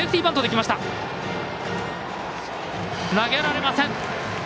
投げられません！